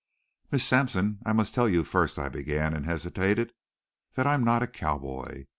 "Miss Sampson, I must tell you first," I began, and hesitated "that I'm not a cowboy.